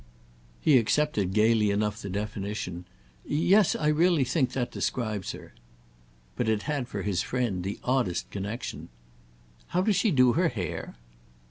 He accepted gaily enough the definition. "Yes—I really think that describes her." But it had for his friend the oddest connexion. "How does she do her hair?"